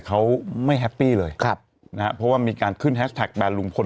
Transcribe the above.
เขาไม่แฮปปี้เลยครับนะฮะเพราะว่ามีการขึ้นแฮชแท็กแบนลุงพล